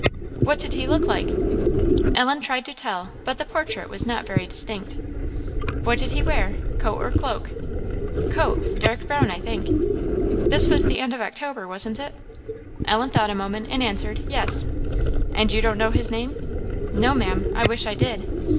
"What did he look like?" Ellen tried to tell, but the portrait was not very distinct. "What did he wear? Coat or cloak?" "Coat dark brown, I think." "This was the end of October, wasn't it?" Ellen thought a moment and answered, "yes." "And you don't know his name?" "No, Ma'am; I wish I did."